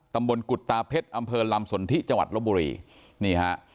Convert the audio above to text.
ตำบลกุฎาเพชรอำเภอลำสนทิจลบุรี